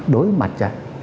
đối với mặt trận